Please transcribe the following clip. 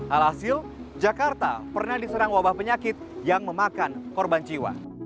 alhasil jakarta pernah diserang wabah penyakit yang memakan korban jiwa